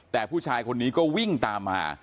แต่ผู้ชายคนนี้ก็วิ่งตามมา